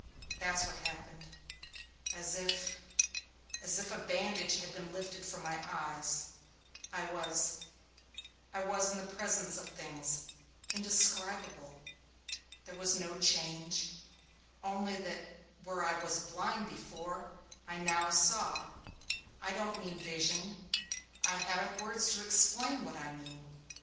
That's what happened. As if as if a bandage had been lifted from my eyes, I was I was in the presence of things indescribable. There was no change, only that where I was blind before I now saw. I don't mean vision. I haven't words to explain what I mean.